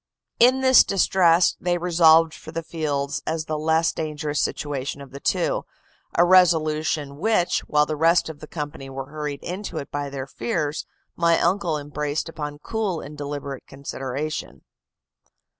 In this distress they resolved for the fields as the less dangerous situation of the two a resolution which, while the rest of the company were hurried into it by their fears, my uncle embraced upon cool and deliberate consideration.